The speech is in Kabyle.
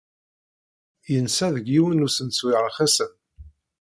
Yensa deg yiwen n usensu rxisen.